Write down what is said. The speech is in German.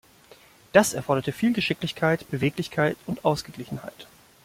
Das erfordert viel Geschicklichkeit, Beweglichkeit und Ausgeglichenheit.